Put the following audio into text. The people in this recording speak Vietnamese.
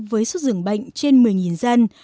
với xuất dưỡng bệnh trên một mươi dân